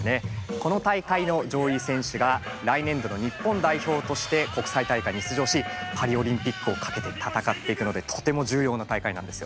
この大会の上位選手が来年度の日本代表として国際大会に出場しパリ・オリンピックをかけて戦っていくのでとても重要な大会なんですよ。